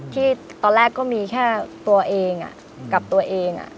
ที่ตอนแรกก็มีแค่ตัวเองกับตัวเอง